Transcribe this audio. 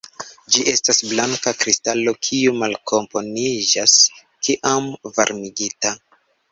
Ĝi estas blanka kristalo kiu malkomponiĝas kiam varmigita.